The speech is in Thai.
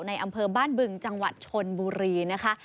อำเภอบ้านบึงจังหวัดชนบุรีนะคะ